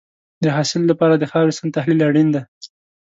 د حاصل لپاره د خاورې سم تحلیل اړین دی.